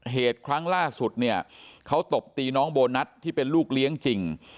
เหตุครั้งล่าสุดเนี่ยเขาตบตีน้องโบนัสที่เป็นลูกเลี้ยงจริง